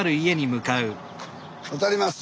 渡ります！